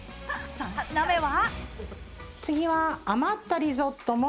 ３品目は。